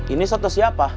ini suatu siapa